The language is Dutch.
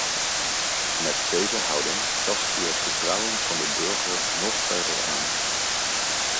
Met deze houding tast u het vertrouwen van de burger nog verder aan.